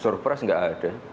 surprise nggak ada